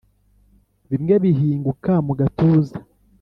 bimwe bihinguka mu gatuza